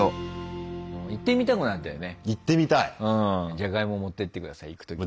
じゃがいも持ってって下さい行く時には。